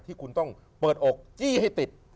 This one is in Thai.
ที่คุณต้องเปิดอกจี้ให้ติด